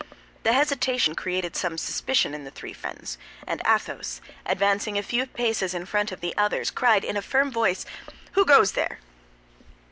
The hesitation created some suspicion in the three friends, and Athos, advancing a few paces in front of the others, cried in a firm voice, "Who goes there?"